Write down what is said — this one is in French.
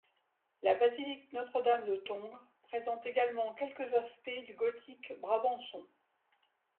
La basilique Notre-Dame de Tongres présente également quelques aspects du gothique brabançon.